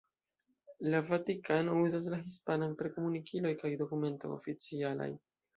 La Vatikano uzas la hispanan per komunikiloj kaj dokumentoj oficialaj.